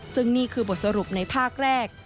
ซึ่งนี่คือบทสรุปในภาคแรก